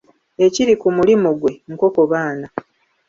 Ekiri ku mulimu gwe, nkoko baana.